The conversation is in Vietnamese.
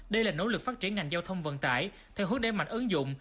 đây là nỗ lực phát triển ngành giao thông vận tải theo hướng đa mạnh ứng dụng